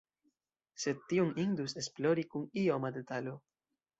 Sed tion indus esplori kun ioma detalo.